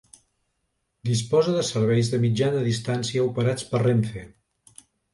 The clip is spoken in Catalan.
Disposa de serveis de mitjana distància operats per Renfe.